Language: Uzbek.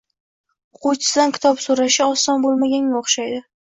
O’quvchisidan kitob so‘rashi oson bo’lmaganga o’xshaydi.